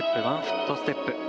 ワンフットステップ。